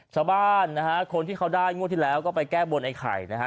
ชาวบ้านนะฮะคนที่เขาได้งวดที่แล้วก็ไปแก้บนไอ้ไข่นะฮะ